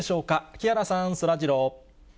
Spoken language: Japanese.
木原さん、そらジロー。